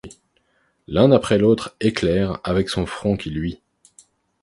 L’un après l’autre éclaire avec son front qui luit